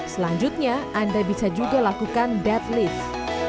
selanjutnya anda bisa juga lakukan deadlift